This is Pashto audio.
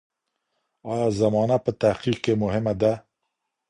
ایا زمانه په تحقیق کې مهمه ده؟